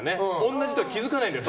同じだとは気づかないんだよね